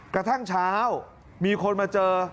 กระทั่งเช้ามีคนมาเจอ